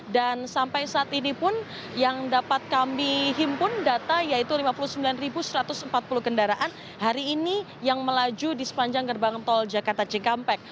dan sampai saat ini pun yang dapat kami himpun data yaitu lima puluh sembilan satu ratus empat puluh kendaraan hari ini yang melaju di sepanjang gerbang tol jakarta cikampek